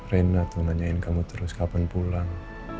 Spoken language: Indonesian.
rena tuh nanyain kamu terus kapan pulang